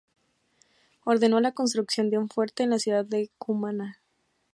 Ordenó la construcción de un fuerte en la ciudad de Cumaná.